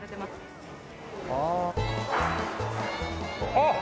あっ！